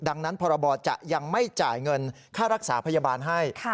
ดังนั้นพรบจะยังไม่จ่ายเงินค่ารักษาพยาบาลให้